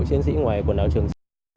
chiến sĩ ngoại của đảo trường sa